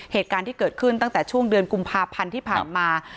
เหตุการณ์ที่เกิดขึ้นตั้งแต่ช่วงเดือนกุมภาพันธ์ที่ผ่านมา